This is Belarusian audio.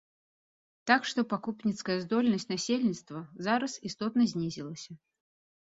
Так што пакупніцкая здольнасць насельніцтва зараз істотна знізілася.